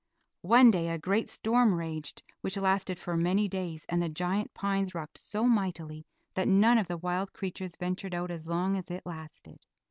One day a great storm raged which lasted for many days, and the giant pines rocked so mightily that none of the wild creatures ventured out as long as it lasted.